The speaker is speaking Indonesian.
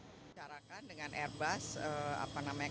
bicarakan dengan airbus apa namanya